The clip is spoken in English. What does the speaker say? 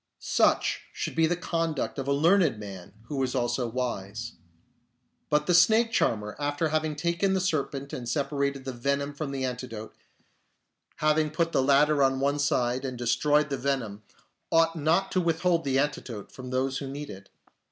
Such should be the conduct of a learned man who is also wise. But the snake charmer, after having taken the serpent and separated the venom from the antidote, having put the latter on one side and destroyed the venom, ought not to withhold the antidote from those who need it.